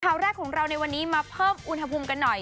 ข่าวแรกของเราในวันนี้มาเพิ่มอุณหภูมิกันหน่อย